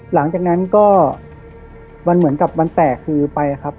หลังจากนั้นก็มันเหมือนกับวันแตกคือไปครับ